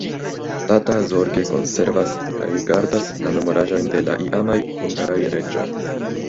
Tata zorge konservas kaj gardas la memoraĵojn de la iamaj hungaraj reĝoj.